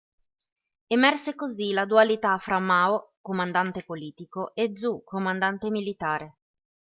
Emerse così la dualità fra Mao, comandante politico, e Zhu, comandante militare.